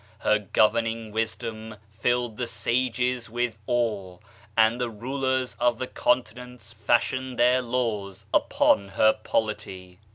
Her governing wisdom filled the sages with awe, and the rulers of the continents fashioned their laws upon her polity.